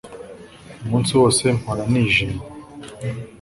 umunsi wose mpora nijimye